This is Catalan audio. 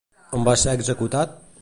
On va ser executat?